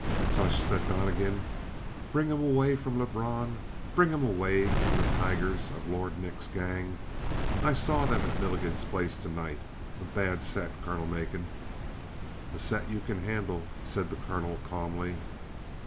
"Tush!" said Donnegan. "Bring him away from Lebrun? Bring him away from the tigers of Lord Nick's gang? I saw them at Milligan's place tonight. A bad set, Colonel Macon." "A set you can handle," said the colonel, calmly.